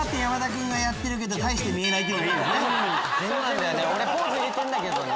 そうなんだよね